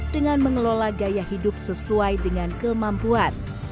dengan mengelola gaya hidup sesuai dengan kemampuan